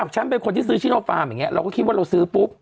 ฉันเป็นคนที่ซื้อชิโนฟาร์มอย่างนี้เราก็คิดว่าเราซื้อปุ๊บ